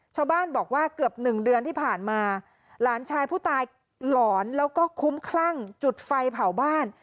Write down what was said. ชาวบ้านบอกว่าเกือบหนึ่งเดือนที่ผ่านมาหลานชายผู้ตายหลอนแล้วก็คุ้มคลั่งจุดไฟเผาบ้าน